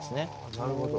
なるほど。